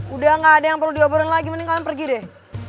udah gak ada yang perlu dioborong lagi mendingan kalian pergi deh